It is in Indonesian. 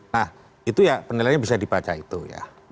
nah itu ya penilaiannya bisa dibaca itu ya